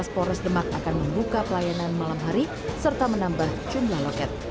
polres demak akan membuka pelayanan malam hari serta menambah jumlah loket